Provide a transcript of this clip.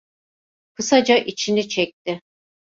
Kısaca içini çekti.